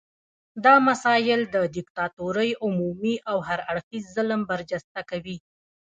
دا مسایل د دیکتاتورۍ عمومي او هر اړخیز ظلم برجسته کوي.